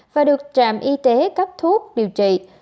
và được trạm y tế cấp thuốc điều trị